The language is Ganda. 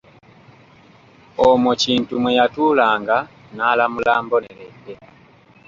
Omwo kintu mwe yatuulanga n’alamula mboneredde.